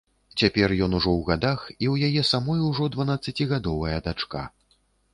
Цяпер ён ўжо ў гадах, і ў яе самой ужо дванаццацігадовая дачка.